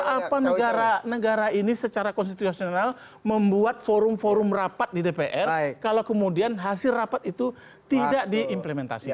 apa negara ini secara konstitusional membuat forum forum rapat di dpr kalau kemudian hasil rapat itu tidak diimplementasikan